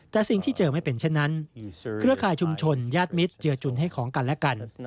แต่สิ่งที่เจอไม่เป็นเช่นนั้นเครือข่ายชุมชนญาติมิตรเจือจุนให้ของกันและกัน